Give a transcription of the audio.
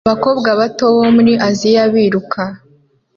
Abakobwa bato bo muri Aziya biruka